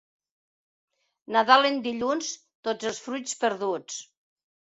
Nadal en dilluns, tots els fruits perduts.